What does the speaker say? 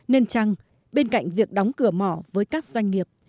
nên chăng bên cạnh việc đóng cửa mỏ với các doanh nghiệp